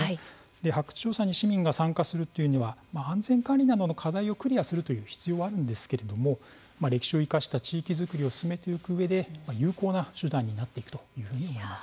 発掘調査に市民が参加するには安全管理などの課題をクリアする必要があるんですが歴史を生かした地域づくりを進めていくうえで有効な手段になるのではないかと思います。